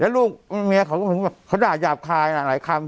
แล้วลูกเมียเขาก็ถึงแบบเขาด่าหยาบคายนะหลายคำ